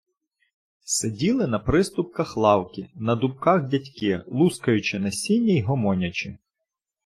Сиділи на приступках лавки, на дубках дядьки, лускаючи насіння й гомонячи.